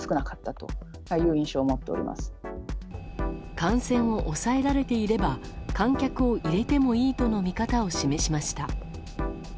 感染を抑えられていれば観客を入れてもいいとの見方を示しました。